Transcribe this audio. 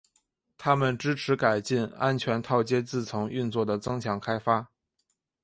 它们支持改进安全套接字层运作的增强开发。